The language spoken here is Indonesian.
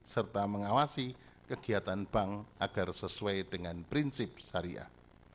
serta mengawasi kegiatan bank agar sesuai dengan prinsip syariah